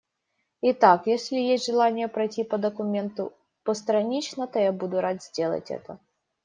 Итак, если есть желание пройти по документу постранично, то я буду рад сделать это.